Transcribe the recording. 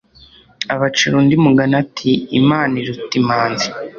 abacira undi mugani ati imana iruta imanzi